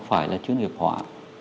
phải là chuyên nghiệp họa